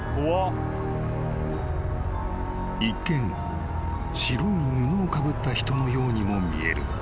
［一見白い布をかぶった人のようにも見えるが］